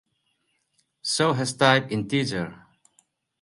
so has type integer